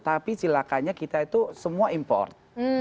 tapi cilakanya kita itu semua import